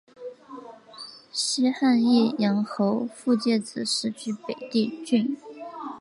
西汉义阳侯傅介子始居北地郡。